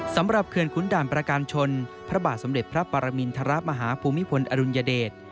สำหรับเคลือนคุณด่านประกานชนพระบาทสำเด็จพระปรามิณฑมหาภูมิพลอรุณยเดช